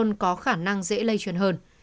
biến thể omicron có khả năng dễ lây truyền hơn